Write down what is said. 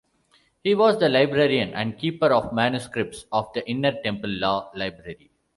He was the "Librarian and Keeper of Manuscripts" of the Inner Temple Law Library.